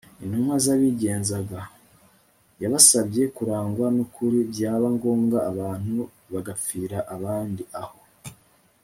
intumwa zabigenzaga. yabasabye kurangwa n'ukuri byaba ngombwa abantu bagapfira abandi aho